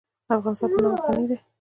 افغانستان په نمک غني دی.